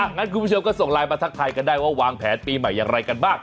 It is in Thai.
งั้นคุณผู้ชมก็ส่งไลน์มาทักทายกันได้ว่าวางแผนปีใหม่อย่างไรกันบ้าง